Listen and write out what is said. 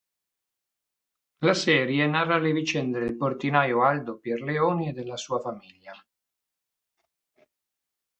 La serie narra le vicende del portinaio Aldo Pierleoni e della sua famiglia.